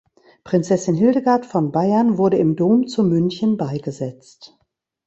Prinzessin Hildegard von Bayern wurde im Dom zu München beigesetzt.